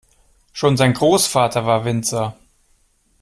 Schon sein Großvater war Winzer.